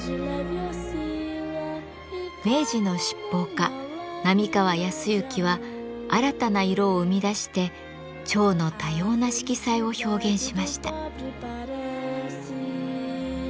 明治の七宝家並河靖之は新たな色を生み出して蝶の多様な色彩を表現しました。